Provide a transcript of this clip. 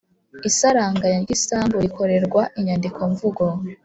Isaranganya ry isambu rikorerwa inyandikomvugo